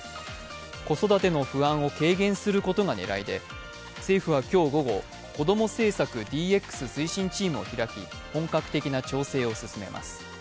子育ての不安を軽減することが狙いで政府は今日午後、こども政策ＤＸ推進チームを開き、本格的な調整を進めます。